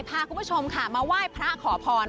พาคุณผู้ชมค่ะมาไหว้พระขอพร